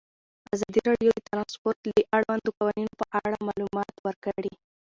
ازادي راډیو د ترانسپورټ د اړونده قوانینو په اړه معلومات ورکړي.